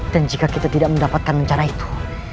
dan jika kita tidak mendapatkan rencana itu